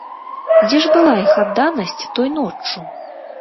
Дзе ж была іх адданасць той ноччу?